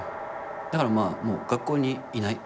だからもう学校にいない。